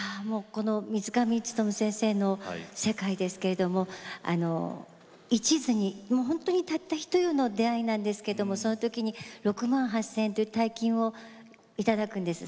水上勉先生の世界ですけれども、いちずに本当にたったひと夜の出会いなんですけれどもその時に６万８０００円という大金をいただくんです。